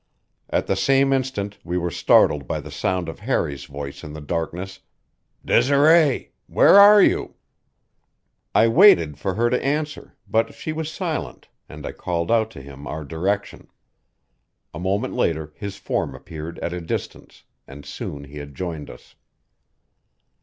At the same instant we were startled by the sound of Harry's voice in the darkness: "Desiree! Where are you?" I waited for her to answer, but she was silent, and I called out to him our direction. A moment later his form appeared at a distance, and soon he had joined us.